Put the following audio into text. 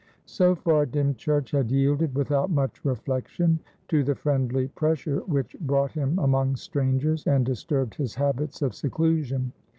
So far, Dymchurch had yielded without much reflection to the friendly pressure which brought him among strangers and disturbed his habits of seclusion.